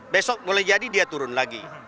besok boleh jadi dia turun lagi